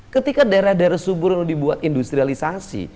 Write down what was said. ketika daerah daerah suburno dibuat industrialisasi